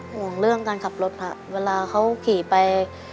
ห่วงเรื่องการขับรถค่ะเวลาเขาขี่ไป